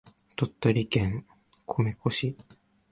鳥取県米子市